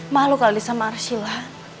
malu kalau bisa sama arsila